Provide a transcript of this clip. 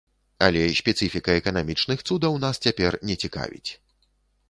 Але спецыфіка эканамічных цудаў нас цяпер не цікавіць.